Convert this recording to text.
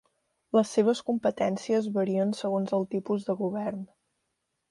Les seves competències varien segons el tipus de govern.